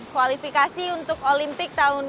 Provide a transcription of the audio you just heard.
kualifikasi untuk olimpiade tahun dua ribu dua puluh empat